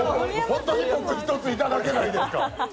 ホントに僕、１ついただけないですか？